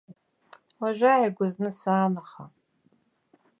Уажәааигәа зны саан, аха.